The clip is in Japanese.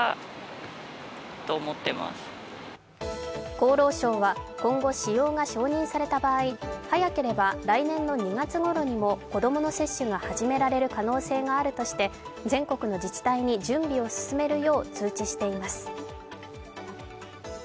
厚労省は今後、使用が承認された場合、早ければ来年の２月ごろにも子どもの接種が始められる可能性があるとして全国の自治体に準備を進めるよう通知しています。